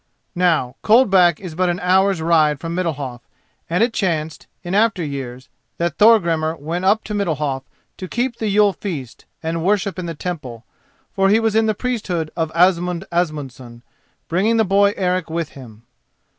Now, Coldback is but an hour's ride from Middalhof, and it chanced, in after years, that Thorgrimur went up to Middalhof, to keep the Yule feast and worship in the Temple, for he was in the priesthood of Asmund Asmundson, bringing the boy Eric with him.